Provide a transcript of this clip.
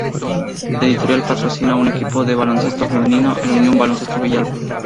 La editorial patrocina a un equipo de baloncesto femenino, el Unión Baloncesto Villalba.